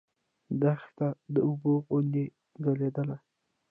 دښته د اوبو غوندې ځلېدله.